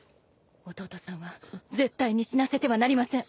弟さんは絶対に死なせてはなりません。